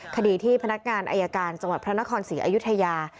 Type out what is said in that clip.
คดีที่พนักงานอายการจังหวัดพระนครศรีอยุธยา